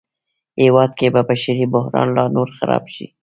هېواد کې به بشري بحران لا نور خراب شي